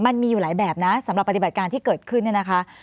มันมีอยู่หลายแบบนะสำหรับปฏิบัติการที่เกิดขึ้นเนี่ยนะคะ